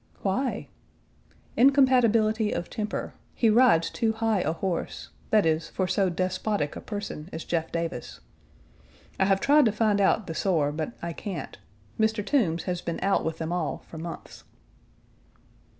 "Why?" "Incompatibility of temper. He rides too high a horse; that is, for so despotic a person as Jeff Davis. I have tried to find out the sore, but I can't. Mr. Toombs has been out with them all for months."